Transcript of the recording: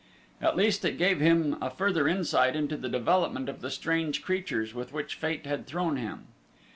At least it gave him a further insight into the development of the strange creatures with which Fate had thrown him.